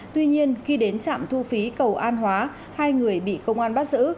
tuy nhiên khi đến trạm thu phí cầu an hóa hai người bị công an bắt giữ